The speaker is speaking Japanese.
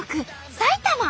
埼玉。